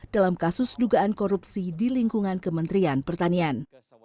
dalam kasus dugaan korupsi di lingkungan kementerian pertanian